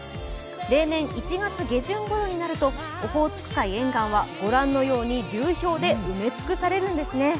例年１月下旬ごろになると、オホーツク海沿岸はご覧のように流氷で埋め尽くされるんですね。